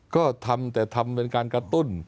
ก็ทำแต่ทำเป็นการกระตุ้น